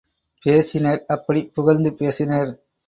பேசினர், அப்படிப் புகழ்ந்து பேசினர்.